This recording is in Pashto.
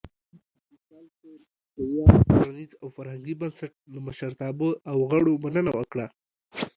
وصال صېب د ویاړ څیړنیز او فرهنګي بنسټ لۀ مشرتابۀ او غړو مننه وکړه